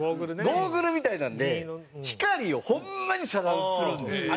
ゴーグルみたいなので光をホンマに遮断するんですよ。